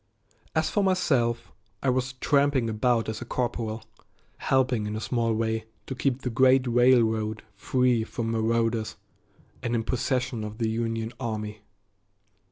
As for myself, I was tramping about as a corporal, helping in a small way to keep the great railroad free from marauders and in possession of the Union army.